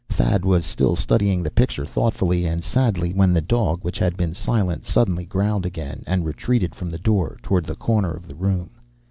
Thad was still studying the picture, thoughtfully and sadly, when the dog, which had been silent, suddenly growled again, and retreated from the door, toward the corner of the room.